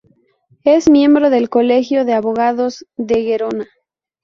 Es miembro del Colegio de Abogados de Gerona.